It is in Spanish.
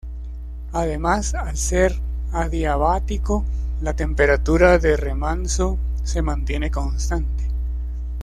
Además, al ser adiabático, la temperatura de remanso se mantiene constante.